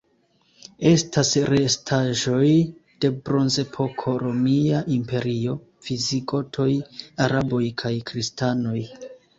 Estas restaĵoj de Bronzepoko, Romia Imperio, visigotoj, araboj kaj kristanoj.